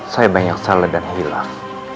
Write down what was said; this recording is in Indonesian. saya banyak salah dan hilang